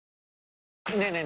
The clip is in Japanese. ねえねえ